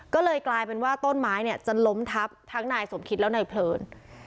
ก็เลยกลายเป็นว่าต้นไม้เนี่ยจะล้มทับทั้งนายสมคิตและนายเพลิน